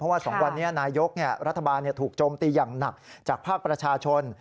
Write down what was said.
ว่า๒วันนี้นายกรัฐบาลถูกโจมตีอย่างหนักจากภาคประชาชน